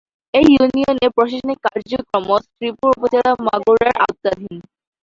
এ ইউনিয়নের প্রশাসনিক কার্যক্রম শ্রীপুর উপজেলা, মাগুরার আওতাধীন।